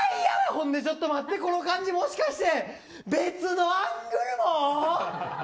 ほんで、ちょっと待ってこの感じ、もしかして別のアングルも？